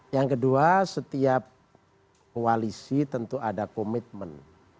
yang kedua setiap koalisi tentu ada komitmen